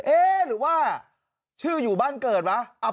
หรือว่าชื่ออยู่บ้านเกิดไหม